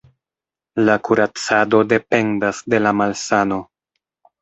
La kuracado dependas de la malsano.